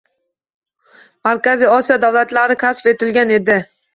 Markaziy Osiyo davlatlari kashf etilgan edi.